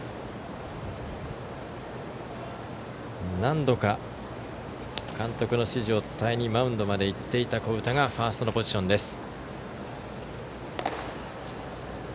何度か監督の指示を伝えにマウンドまで行っていた古宇田がファーストのポジションです。